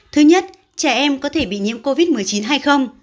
thứ nhất trẻ em có thể bị nhiễm covid một mươi chín hay không